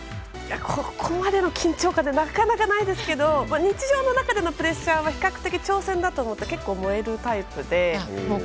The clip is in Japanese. ここまでの緊張感はなかなかないですけど日常の中でのプレッシャーは比較的、挑戦だと思って結構燃えるタイプで。